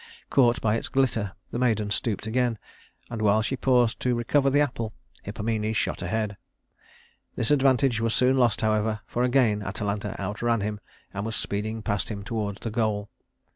Caught by its glitter the maiden stooped again, and while she paused to recover the apple, Hippomenes shot ahead. This advantage was soon lost, however, for again Atalanta outran him and was speeding past him toward the goal.